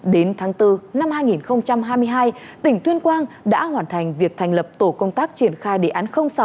đến tháng bốn năm hai nghìn hai mươi hai tỉnh tuyên quang đã hoàn thành việc thành lập tổ công tác triển khai đề án sáu